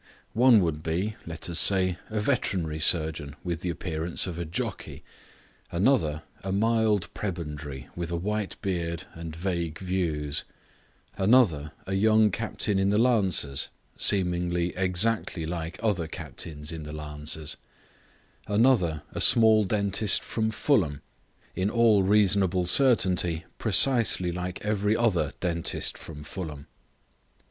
One would be, let us say, a veterinary surgeon with the appearance of a jockey; another, a mild prebendary with a white beard and vague views; another, a young captain in the Lancers, seemingly exactly like other captains in the Lancers; another, a small dentist from Fulham, in all reasonable certainty precisely like every other dentist from Fulham.